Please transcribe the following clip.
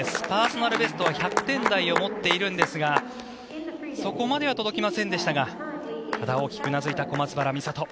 パーソナルベストは１００点台を持っているんですがそこまでは届きませんでしたがただ、大きくうなずいた小松原美里。